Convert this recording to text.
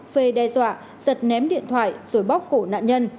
phê đe dọa giật ném điện thoại rồi bóc cổ nạn nhân